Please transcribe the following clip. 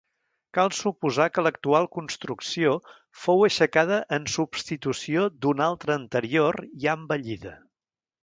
Cal suposar que l'actual construcció fou aixecada en substitució d'una altra anterior ja envellida.